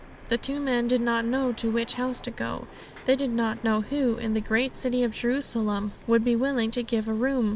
The two men did not know to which house to go; they did not know who, in the great city of Jerusalem, would be willing to give a room.